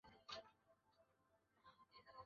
格拉摩根地区最初是以农牧业为主的地区。